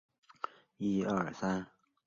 首府邦戈尔。